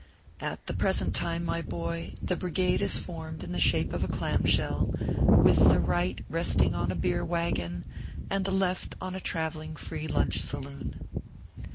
At the present time, my boy, the brigade is formed in the shape of a clam shell, with the right resting on a beer wagon, and the left on a traveling free lunch saloon.